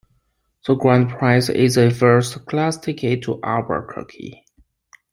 The grand prize is a first class ticket to Albuquerque.